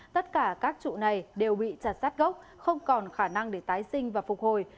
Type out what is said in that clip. tất cả các trụ này đều bị chặt sát gốc không còn khả năng để tái sinh và phục hồi